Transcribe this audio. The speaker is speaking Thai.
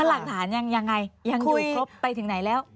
หลักฐานยังยังไงยังอยู่ครบไปถึงไหนแล้ว